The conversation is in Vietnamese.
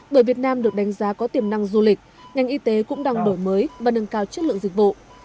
bởi việt nam được đánh giá có tiềm năng du lịch ngành y tế cũng đang đổi mới và nâng cao chất lượng dịch vụ